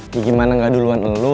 ya gimana gak duluan lo